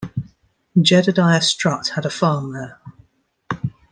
Jedediah Strutt had a farm there.